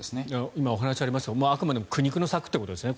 今、お話がありましたがあくまでも苦肉の策ということですね。